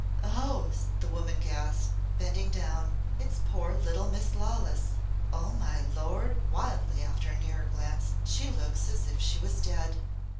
"Oh!" the woman gasped, bending down. "It's poor little Miss Lawless! Oh, my lord," wildly after a nearer glance, "She looks as if she was dead!"